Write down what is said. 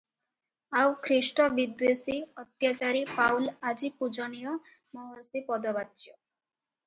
ଆଉ ଖ୍ରୀଷ୍ଟ ବିଦ୍ୱେଷୀ ଅତ୍ୟାଚାରୀ ପାଉଲ୍ ଆଜି ପୂଜନୀୟ ମହର୍ଷୀ ପଦବାଚ୍ୟ ।